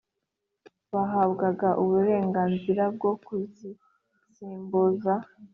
bahabwaga uburenganzira bwo kuzisimbuza